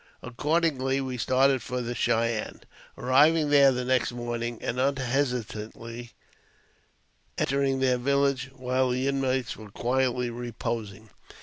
Accordingly, we started for the Cheyenne, arriving there the next morning, and unhesitat ingly entered their village while the inmates were quietly reposing.